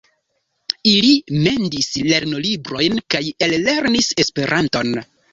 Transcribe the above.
Ili mendis lernolibrojn kaj ellernis Esperanton.